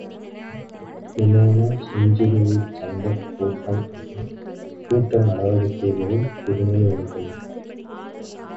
இளைஞர் செஞ்சிலுவைச் சங்கக் கூட்டம் அது, கூட்ட நடவடிக்கைகளில் புதுமை ஒன்றுமில்லை.